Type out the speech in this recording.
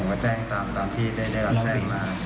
ก็แจ้งตามที่ได้รับแจ้งมา